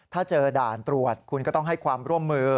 ถ้าเจอด่านตรวจคุณก็ต้องให้ความร่วมมือ